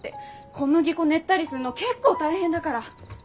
小麦粉練ったりすんの結構大変だから。